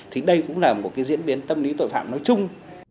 thì đây cũng là một cái diễn biến tâm lý tội phạm nói chung